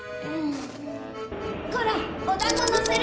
コロンおだんごのせるのだ。